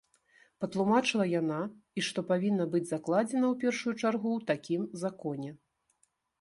Патлумачыла яна, і што павінна быць закладзена ў першую чаргу ў такім законе.